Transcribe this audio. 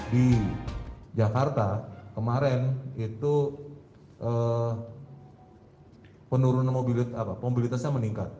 di jakarta kemarin itu penurunan mobilitasnya meningkat